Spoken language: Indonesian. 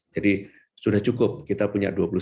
jadi sudah cukup kita punya dua puluh satu